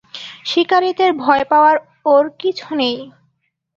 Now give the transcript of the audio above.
শিকারীদের ভয় পাওয়ার ওর কিছু নেই।